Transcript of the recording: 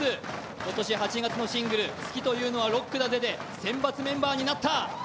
今年８月のシングル「好きというのはロックだぜ！」で選抜メンバーになった。